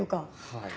はい。